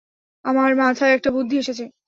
আমার মাথায় একটা বুদ্ধি এসেছে।